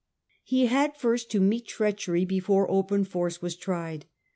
33 He had first to meet treachery before open force was tried.